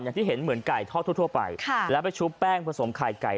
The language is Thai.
อย่างที่เห็นเหมือนไก่ทอดทั่วไปแล้วไปชุบแป้งผสมไข่ไก่